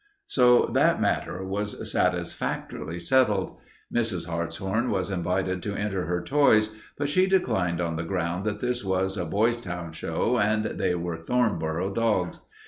So that matter was satisfactorily settled. Mrs. Hartshorn was invited to enter her toys, but she declined on the ground that this was a Boytown show and they were Thornboro dogs.